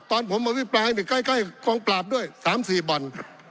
ตอนผมมาวิปรายมีใกล้ใกล้กองปราบด้วยสามสี่บอล